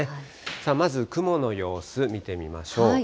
さあ、まず雲の様子、見てみましょう。